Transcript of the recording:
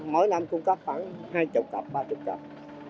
mỗi năm cung cấp khoảng hai mươi cặp ba mươi cặp